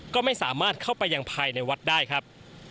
ก็ไม่สามารถเข้าไปยังภายในวัดได้ครับ